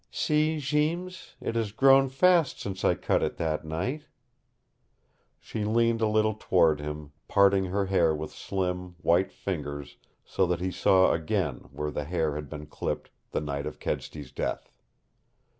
"See, Jeems, it has grown fast since I cut it that night." She leaned a little toward him, parting her hair with slim, white fingers so that he saw again where the hair had been clipped the night of Kedsty's death.